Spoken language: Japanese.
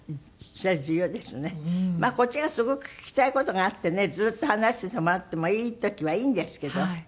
こっちがすごく聞きたい事があってねずっと話しててもらってもいい時はいいんですけど。